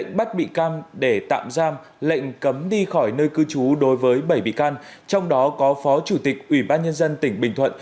các bạn hãy đăng ký kênh để ủng hộ kênh của chúng mình nhé